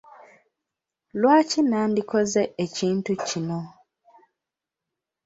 Lwaki nandikoze ekintu kino?